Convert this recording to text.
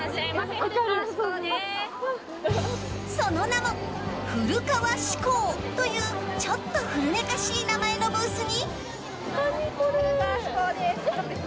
その名も、古川紙工というちょっと古めかしい名前のブースに。